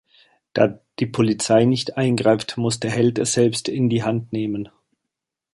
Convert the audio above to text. Da die Polizei nicht eingreift, muss der Held es selbst in die Hand nehmen.